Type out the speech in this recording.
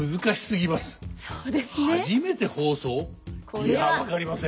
いや分かりません。